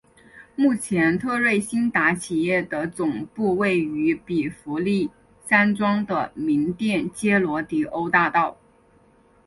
目前特瑞新达企业的总部位于比佛利山庄的名店街罗迪欧大道。